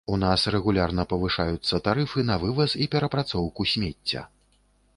У нас рэгулярна павышаюцца тарыфы на вываз і перапрацоўку смецця.